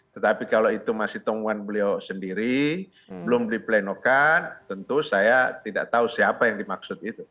tetapi kalau itu masih temuan beliau sendiri belum di plenokan tentu saya tidak tahu siapa yang dimaksud itu